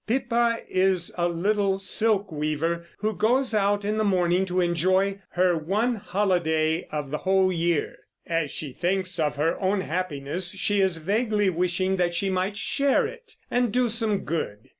Pippa is a little silk weaver, who goes out in the morning to enjoy her one holiday of the whole year. As she thinks of her own happiness she is vaguely wishing that she might share it, and do some good.